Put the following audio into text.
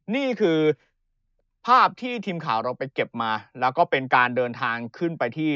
นี่คือภาพที่ทีมข่าวเราไปเก็บมาแล้วก็เป็นการเดินทางขึ้นไปที่